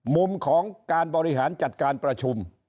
มุมของการบริหารจัดการประชุม